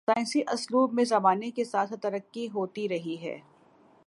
سائنسی اسلوب میں زمانے کے ساتھ ساتھ ترقی ہوتی رہی ہے